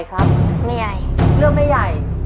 ขอบคุณค่ะ